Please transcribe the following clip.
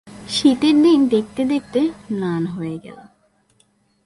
শীতের দিন দেখতে দেখতে ম্লান হয়ে এল।